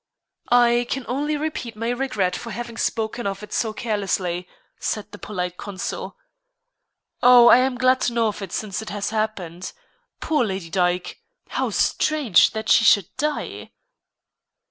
"I can only repeat my regret for having spoken of it so carelessly," said the polite consul. "Oh, I am glad to know of it since it has happened. Poor Lady Dyke! How strange that she should die!"